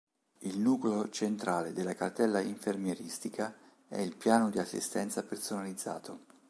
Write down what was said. Il nucleo centrale della cartella infermieristica è il piano di assistenza personalizzato.